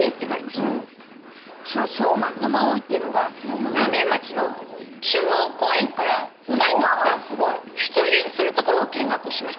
その相馬野馬追っていうのが浪江町の中央公園から馬に乗って出陣するところを見学しました。